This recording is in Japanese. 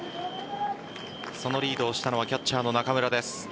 そのリードをしたのはキャッチャーの中村です。